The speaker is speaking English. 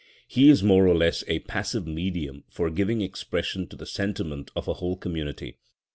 He is more or less a passive medium for giving expression to the sentiment of a whole community.